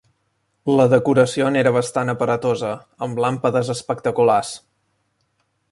La decoració n'era bastant aparatosa, amb làmpades espectaculars.